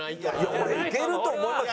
俺いけると思いますよ。